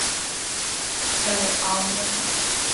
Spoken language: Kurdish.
Ew ê av nedin.